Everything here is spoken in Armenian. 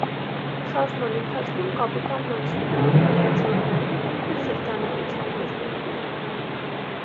Շարժման ընթացքում կապիտալն անցնում է արտադրության մեկ և շրջանառության երկու փուլ։